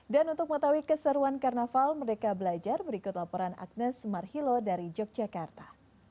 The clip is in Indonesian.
dan untuk mengetahui keseruan karnaval merdeka belajar berikut laporan agnes marhilo dari yogyakarta